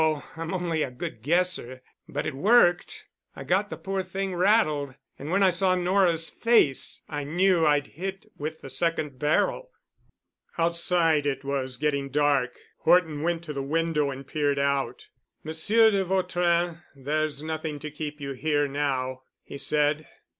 I'm only a good guesser. But it worked. I got the poor thing rattled. And when I saw Nora's face I knew I'd hit with the second barrel." Outside it was getting dark. Horton went to the window and peered out. "Monsieur de Vautrin, there's nothing to keep you here now," he said.